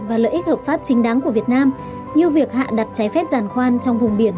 và lợi ích hợp pháp chính đáng của việt nam như việc hạ đặt trái phép giàn khoan trong vùng biển